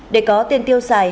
để có tiền tiêu xài